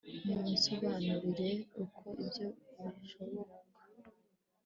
Munsobanurire uko ibyo bishoboka